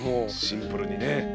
シンプルにね。